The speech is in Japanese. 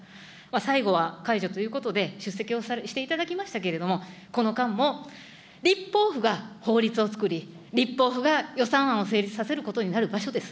最後は解除ということで、出席をしていただきましたけれども、この間も立法府が法律を作り、立法府が予算案を成立させることになる場所です。